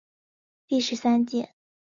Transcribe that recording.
第十三届